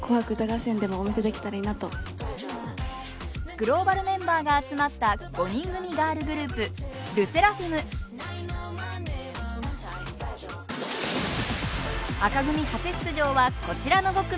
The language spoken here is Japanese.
グローバルメンバーが集まった５人組ガールグループ紅組初出場はこちらの５組。